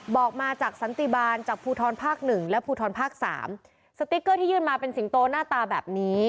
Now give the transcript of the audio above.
บอกมาจากสันติบาลจากภูทรภาคหนึ่งและภูทรภาคสามสติ๊กเกอร์ที่ยื่นมาเป็นสิงโตหน้าตาแบบนี้